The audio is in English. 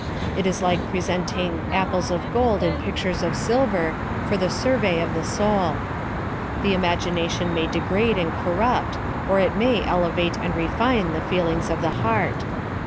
It is like presenting 'apples of gold in pictures of silver' for the survey of the soul. The imagina tion may degrade and corrupt, or it may elevate and refine the feelings of the lieart.